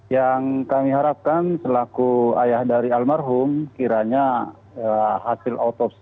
yang kami harapkan selaku ayah dari almarhum kiranya hasil otopsi